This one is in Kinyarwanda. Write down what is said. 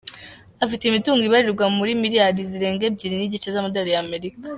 Afite imitungo ibarirwa muri miliyari zirenga ebyeri n’igice z’amadorali y’Amerika.